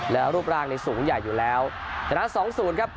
แล้วรูปร่างในสูงใหญ่อยู่แล้วชนะสองศูนย์ครับ